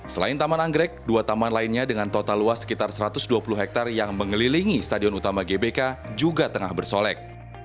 selain taman anggrek dua taman lainnya dengan total luas sekitar satu ratus dua puluh hektare yang mengelilingi stadion utama gbk juga tengah bersolek